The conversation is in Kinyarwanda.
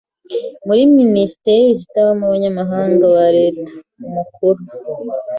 Muri Minisiteri zitarimo Abanyamabanga ba Leta, umukuru